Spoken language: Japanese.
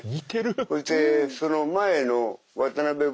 そしてその前の渡邊ぶん